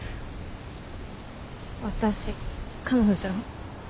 私彼女？